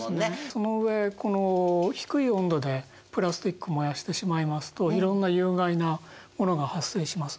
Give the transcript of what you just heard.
その上この低い温度でプラスチックを燃やしてしまいますといろんな有害なものが発生します。